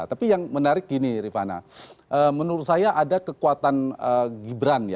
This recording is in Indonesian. tapi yang menarik gini rifana menurut saya ada kekuatan gibran ya